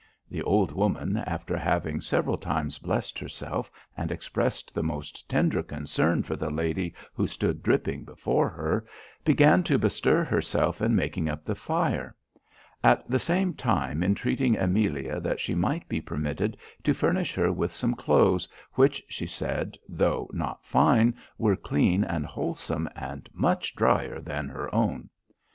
The old woman, after having several times blessed herself, and expressed the most tender concern for the lady who stood dripping before her, began to bestir herself in making up the fire; at the same time entreating Amelia that she might be permitted to furnish her with some cloaths, which, she said, though not fine, were clean and wholesome and much dryer than her own.